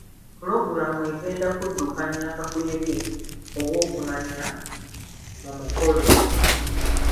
Pulogulamu egenda kuddukanya kakuyege ow'okumanya mu mukolo.